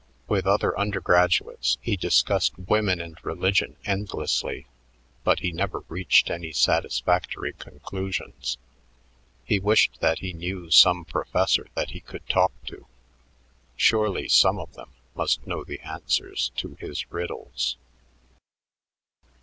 With other undergraduates he discussed women and religion endlessly, but he never reached any satisfactory conclusions. He wished that he knew some professor that he could talk to. Surely some of them must know the answers to his riddles....